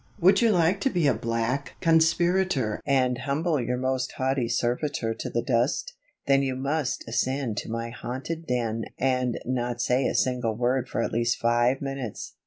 Would you like to be a black conspirator and humble your most haughty servitor to the dust? Then you must ascend to my haunted den and not say a single word for at least five minutes.